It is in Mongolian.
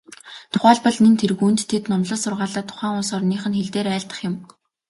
Тухайлбал, нэн тэргүүнд тэд номлол сургаалаа тухайн улс орных нь хэл дээр айлдах юм.